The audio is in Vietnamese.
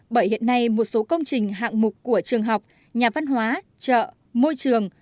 bởi hiện nay một số công trình hạng mục của trường học nhà văn hóa chợ môi trường